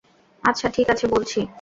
আচ্ছা, ঠিক আছে, বলছি।